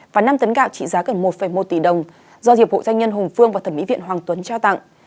và năm tấn gạo trị giá gần một một tỷ đồng do hiệp hội doanh nhân hùng phương và thẩm mỹ viện hoàng tuấn trao tặng